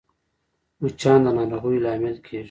مچان د ناروغیو لامل کېږي